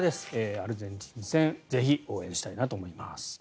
アルゼンチン戦ぜひ応援したいなと思います。